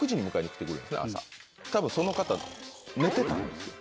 多分その方寝てたんですよ。